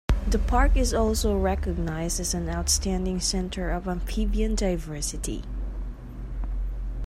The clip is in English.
The park is also recognised as an outstanding centre of amphibian diversity.